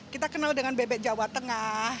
kita kenal dengan bebek jawa tengah